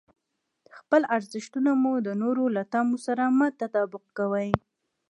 خپل ارزښتونه مو د نورو له تمو سره مه تطابق کوئ.